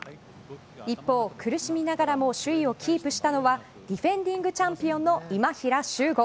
一方、苦しみながらも首位をキープしたのはディフェンディングチャンピオンの今平周吾。